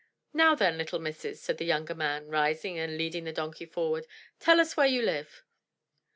"Now then, little missis," said the younger man, rising and leading the donkey forward, "tell us where you live."